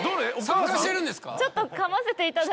参加してるんですか？